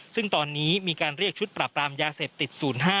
ซึ่งตอนนี้มีการเรียกชุดปราบรามยาเสพติด๐๕